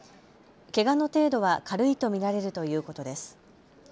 けがの程度は軽いと見られるということです。